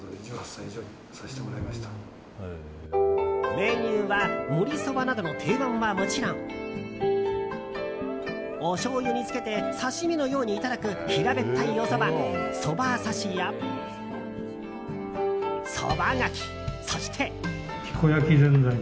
メニューはもりそばなどの定番はもちろんおしょうゆにつけて刺し身のようにいただく平べったいおそば、そばさしやそばがき、そして。